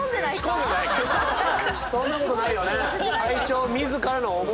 そんなことないよねえ？